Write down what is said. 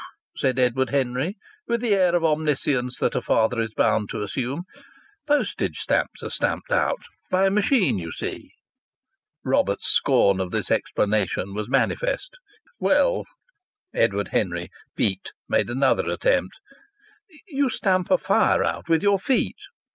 said Edward Henry, with the air of omniscience that a father is bound to assume. "Postage stamps are stamped out by a machine you see." Robert's scorn of this explanation was manifest. "Well," Edward Henry, piqued, made another attempt, "you stamp a fire out with your feet."